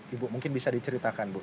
ibu mungkin bisa diceritakan bu